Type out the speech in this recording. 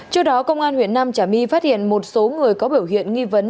trước đó công an huyện nam trà my phát hiện một số người có biểu hiện nghi vấn